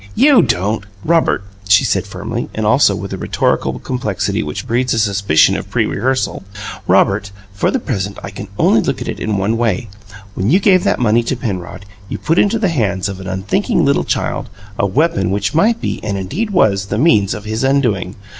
YOU don't " "Robert," she said firmly and, also, with a rhetorical complexity which breeds a suspicion of pre rehearsal "Robert, for the present I can only look at it in one way: when you gave that money to Penrod you put into the hands of an unthinking little child a weapon which might be, and, indeed was, the means of his undoing.